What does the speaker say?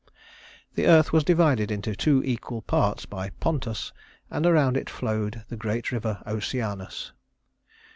The earth was divided into two equal parts by Pontus, and around it flowed the great river Oceanus.